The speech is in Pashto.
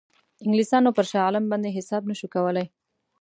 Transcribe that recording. انګلیسانو پر شاه عالم باندې حساب نه شو کولای.